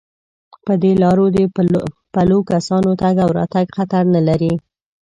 په دې لارو د پلو کسانو تگ او راتگ خطر نه لري.